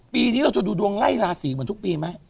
ปีนี้เราจะดูดวงไล่ราศีเหมือนทุกปีไหม